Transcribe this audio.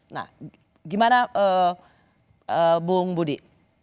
nah gimana bung budi